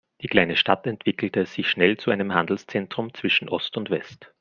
Die kleine Stadt entwickelte sich schnell zu einem Handelszentrum zwischen Ost und West.